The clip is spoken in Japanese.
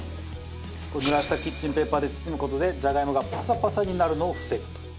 ぬらしたキッチンペーパーで包む事でじゃがいもがパサパサになるのを防ぐと。